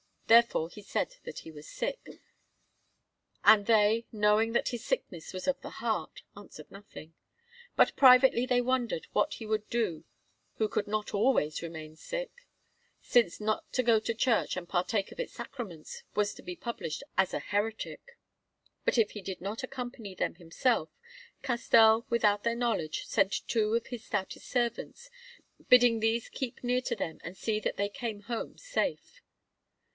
Therefore he said that he was sick; and they, knowing that this sickness was of the heart, answered nothing. But privately they wondered what he would do who could not always remain sick, since not to go to church and partake of its Sacraments was to be published as a heretic. But if he did not accompany them himself, Castell, without their knowledge, sent two of his stoutest servants, bidding these keep near to them and see that they came home safe.